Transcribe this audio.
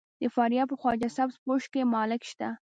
د فاریاب په خواجه سبز پوش کې مالګه شته.